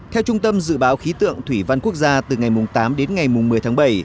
theo trung tâm dự báo khí tượng thủy văn quốc gia từ ngày tám đến ngày một mươi tháng bảy